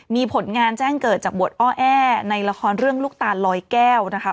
มีผลงานแจ้งเกิดจากบทอ้อแอ้ในละครเรื่องลูกตาลลอยแก้วนะคะ